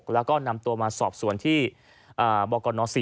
แล้วก็นำตัวมาสอบสวนที่บกน๔